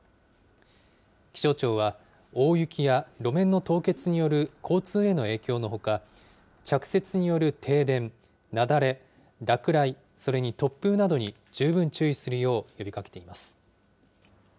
気象庁は、大雪や路面の凍結による交通への影響のほか、着雪による停電、雪崩、落雷、それに突風などに十分注意するよう呼びかけています。